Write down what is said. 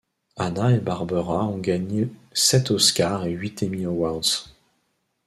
Hanna et Barbera ont gagné sept Oscars et huit Emmy Awards.